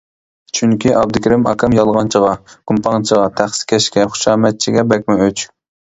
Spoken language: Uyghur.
چۈنكى ئابدۇكېرىم ئاكام يالغانچىغا، گۇپپاڭچىغا، تەخسىكەشكە، خۇشامەتچىگە بەكمۇ ئۆچ.